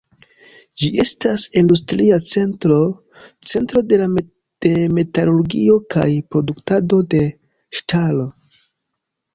Ĝi estas industria centro, centro de metalurgio kaj produktado de ŝtalo.